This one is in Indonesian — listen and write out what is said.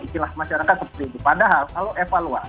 istilah masyarakat seperti itu padahal kalau evaluasi